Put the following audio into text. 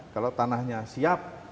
kalau tanahnya siap